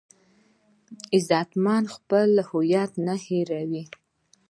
غیرتمند خپل هویت نه هېروي